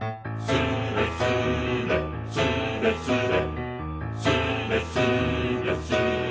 「スレスレスレスレ」